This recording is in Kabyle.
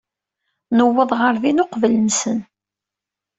Nuweḍ ɣer din uqbel-nsen.